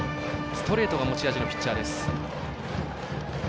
ストレートが持ち味のピッチャー。